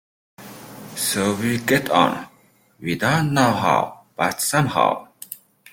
So we get on, we don't know how, but somehow.